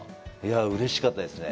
うれしかったですね。